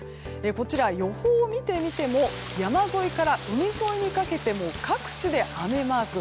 こちら、予報を見てみても山沿いから海沿いにかけて各地で雨マーク。